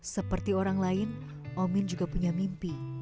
seperti orang lain omin juga punya mimpi